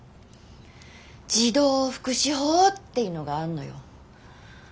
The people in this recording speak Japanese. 児童福祉法っていうのがあんのよ。